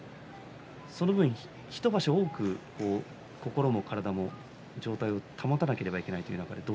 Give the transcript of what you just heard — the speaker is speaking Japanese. その分１場所多く心も体も状態を保たなければいけなかったですね。